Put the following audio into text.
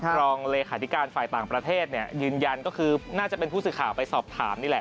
รองเลขาธิการฝ่ายต่างประเทศเนี่ยยืนยันก็คือน่าจะเป็นผู้สื่อข่าวไปสอบถามนี่แหละ